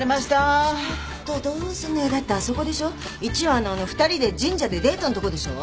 １話のあのう２人で神社でデートんとこでしょ？